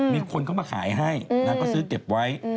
มีคนเข้ามาขายให้นางก็ซื้อเก็บไว้